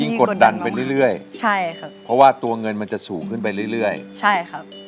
ยิ่งกดดันไปเรื่อยใช่ครับเพราะว่าตัวเงินมันจะสูงขึ้นไปเรื่อยใช่ครับ